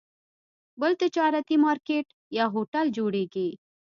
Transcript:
بل تجارتي مارکیټ یا هوټل جوړېږي.